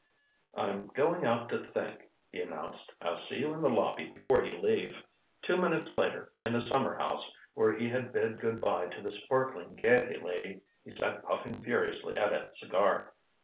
"I'm going out to think," he announced. "I'll see you in the lobby before you leave." Two minutes later, in the summer house where he had bid good by to the sparkling Gaiety lady, he sat puffing furiously at a cigar.